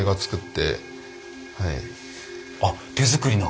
あっ手作りの？